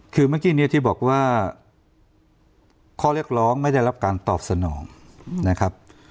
คือเมื่อกี้เนี่ยที่บอกว่าข้อเรียกร้องไม่ได้รับการตอบสนองนะครับ